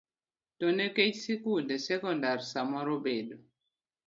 To nikech skunde sekondar samoro bedo